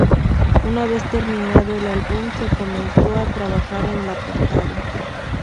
Una vez terminado el álbum, se comenzó a trabajar en la portada.